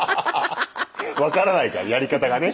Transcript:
分からないからやり方がね。